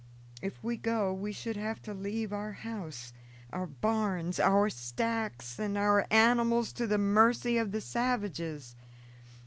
If we go we should have to leave our house, our barns, our stacks, and our animals to the mercy of the savages.